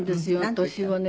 私はね